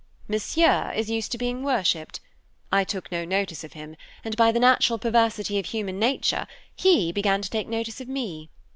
Monsieur is used to being worshipped. I took no notice of him, and by the natural perversity of human nature, he began to take notice of me.